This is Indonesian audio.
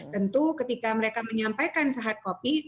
tentu ketika mereka menyampaikan se hard copy